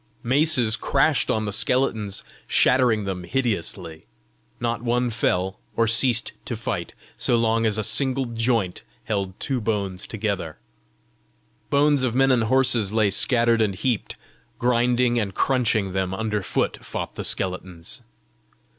Maces crashed on the skeletons, shattering them hideously: not one fell or ceased to fight, so long as a single joint held two bones together. Bones of men and horses lay scattered and heaped; grinding and crunching them under foot fought the skeletons.